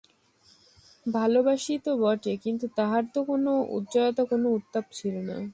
ভালোবাসিত বটে, কিন্তু তাহার তো কোনো উজ্জ্বলতা কোনো উত্তাপ ছিল না।